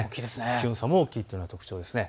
気温差も大きいというのが特徴です。